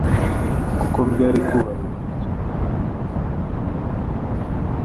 kuko byari kubaha igihe cyo kunoza no gusohoza imigambi yabo.